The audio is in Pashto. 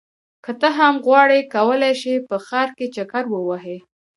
که ته هم غواړې کولی شې په ښار کې چکر ووهې.